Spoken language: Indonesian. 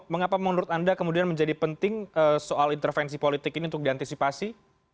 mengapa menurut anda kemudian menjadi penting soal intervensi politik ini untuk diantisipasi